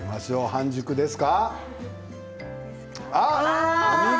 半熟です。